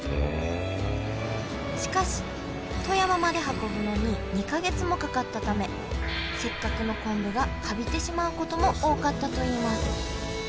しかし富山まで運ぶのに２か月もかかったためせっかくの昆布がカビてしまうことも多かったといいます。